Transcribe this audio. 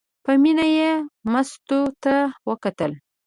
په مینه یې مستو ته وکتل.